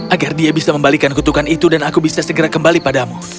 agar dia bisa membalikan kutukan itu dan aku bisa segera kembali padamu